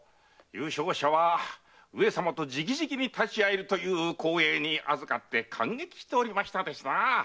優勝者は上様と直々に立ち合えるという光栄にあずかって感激しておりましたですなぁ。